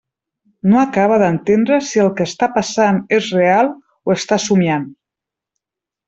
No acaba d'entendre si el que està passant és real o està somniant.